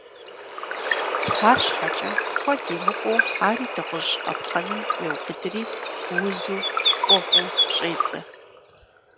АрщхьэкӀэ, куэд имыкӀуу ари дыгъужь къапхъэным еубыдри гуузу къугъыу щӀедзэ.